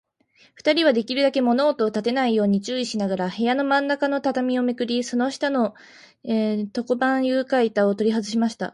ふたりは、できるだけ物音をたてないように注意しながら、部屋のまんなかの畳をめくり、その下の床板ゆかいたをとりはずしました。